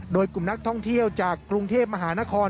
โดยกลุ่มนักท่องเที่ยวจากกรุงเทพมหานคร